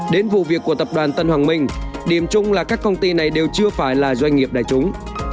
đến vụ việc của tập đoàn tân hoàng minh điểm chung là các công ty này đều chưa phải là doanh nghiệp đại chúng